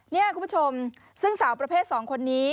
นี่คุณผู้ชมซึ่งสาวประเภท๒คนนี้